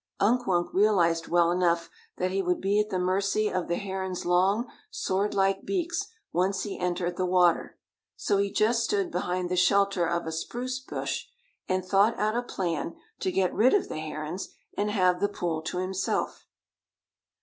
Unk Wunk realized well enough that he would be at the mercy of the herons' long, sword like beaks once he entered the water, so he just stood behind the shelter of a spruce bush and thought out a plan to get rid of the herons, and have the pool to himself.